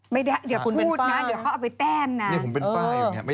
ไม่ได้อยากพูดนะเดี๋ยวเขาเอาไปแต้นนะ